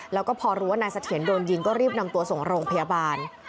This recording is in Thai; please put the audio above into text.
แล้วก็พอรู้ว่านายเสถียรโดนยิงก็รีบนำตัวส่งโรงพยาบาล